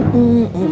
kok balik dari kantin